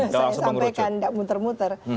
saya sampaikan tidak muter muter